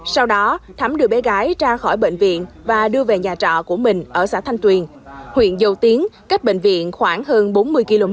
sau đó thắm đưa bé gái ra khỏi bệnh viện và đưa về nhà trọ của mình ở xã thanh tuyền huyện dầu tiến cách bệnh viện khoảng hơn bốn mươi km